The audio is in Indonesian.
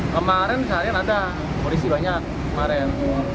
kemarin seharian ada polisi banyak kemarin